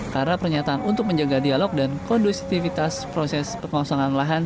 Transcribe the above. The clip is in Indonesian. karena pernyataan untuk menjaga dialog dan kondusivitas proses pengosongan lahan